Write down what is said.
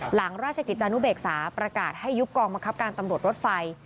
หลังราชกิจจานุเบกษาประกาศให้ยุบกองบังคับการตำรวจรถไฟ